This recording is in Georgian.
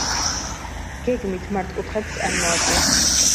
გეგმით მართკუთხედს წარმოადგენს.